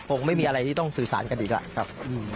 คงไม่มีอะไรที่ต้องสื่อสารกันอีกแล้วครับ